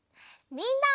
みんな！